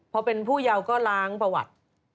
พอเป็นผู้เยาก็ล้างประวัติ